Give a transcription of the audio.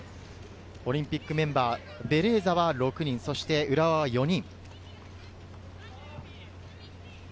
オリンピックメンバー、ベレーザ６人、浦和は４人。